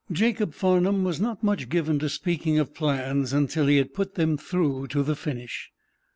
Jacob Farnum was not much given to speaking of plans until he had put them through to the finish.